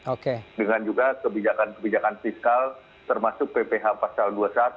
oke dengan juga kebijakan kebijakan fiskal termasuk pph pasal dua puluh satu dua puluh dua dua puluh lima dua puluh tiga